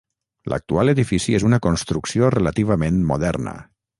L'actual edifici és una construcció relativament moderna.